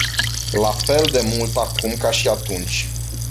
La fel de mult acum ca și atunci.